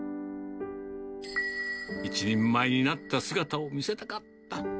一人前になった姿を見せたかった。